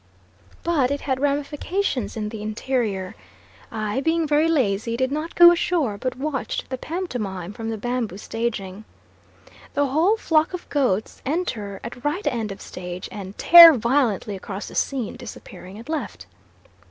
But it had ramifications in the interior. I being very lazy, did not go ashore, but watched the pantomime from the bamboo staging. The whole flock of goats enter at right end of stage, and tear violently across the scene, disappearing at left.